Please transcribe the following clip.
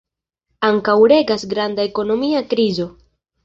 Ankaŭ regas granda ekonomia krizo.